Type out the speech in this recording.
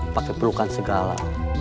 pakai perukan segala